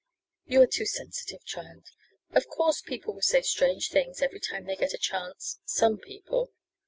"You are too sensitive, child. Of course people will say strange things every time they get a chance some people.